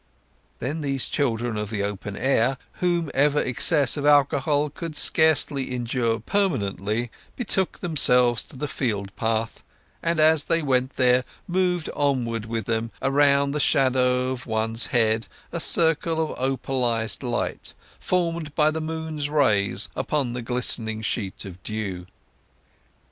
Then these children of the open air, whom even excess of alcohol could scarce injure permanently, betook themselves to the field path; and as they went there moved onward with them, around the shadow of each one's head, a circle of opalized light, formed by the moon's rays upon the glistening sheet of dew.